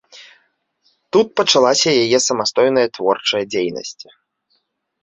Тут пачалася яе самастойная творчая дзейнасць.